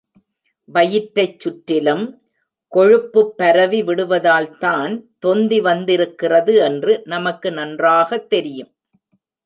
வயிற்றைச் சுற்றிலும் கொழுப்புப் பரவி விடுவதால் தான் தொந்தி வந்திருக்கிறது என்று நமக்கு நன்றாகத் தெரியும்.